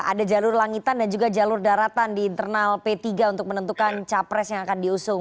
ada jalur langitan dan juga jalur daratan di internal p tiga untuk menentukan capres yang akan diusung